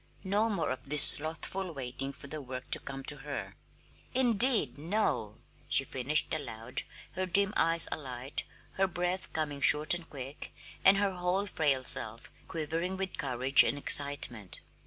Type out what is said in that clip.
No more of this slothful waiting for the work to come to her! "Indeed, no!" she finished aloud, her dim eyes alight, her breath coming short and quick, and her whole frail self quivering with courage and excitement.